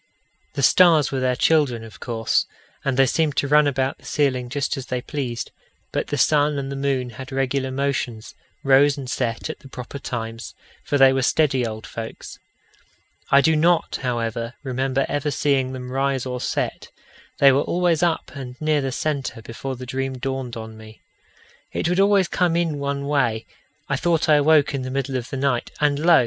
The stars were their children, of course, and they seemed to run about the ceiling just as they pleased; but the sun and the moon had regular motions rose and set at the proper times, for they were steady old folks. I do not, however, remember ever seeing them rise or set; they were always up and near the centre before the dream dawned on me. It would always come in one way: I thought I awoke in the middle of the night, and lo!